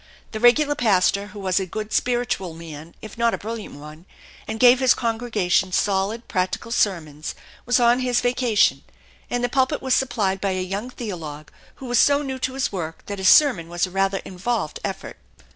The regular pastor, who was a good, spiritual man if not a brilliant one, and gave his congregation solid, practical sermons, was on his vaca tion, and the pulpit was supplied by a young theologue who was so new to his work that his sermon was a rather in volved effort.